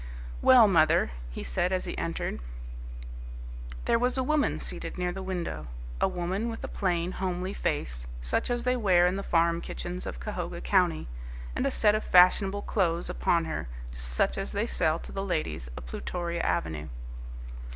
"Well, mother," he said as he entered. There was a woman seated near the window, a woman with a plain, homely face such as they wear in the farm kitchens of Cahoga County, and a set of fashionable clothes upon her such as they sell to the ladies of Plutoria Avenue.